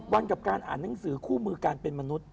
วันกับการอ่านหนังสือคู่มือการเป็นมนุษย